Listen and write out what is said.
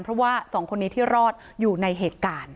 เพราะว่าสองคนนี้ที่รอดอยู่ในเหตุการณ์